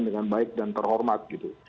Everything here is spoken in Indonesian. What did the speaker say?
dengan baik dan terhormat